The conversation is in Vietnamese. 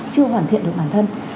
chưa hoàn thiện được bản thân